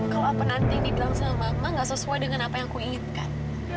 kalau apa nanti yang dibilang sama mama gak sesuai dengan apa yang kuinginkan